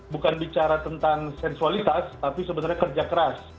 bukan bicara tentang sensualitas tapi sebenarnya kerja keras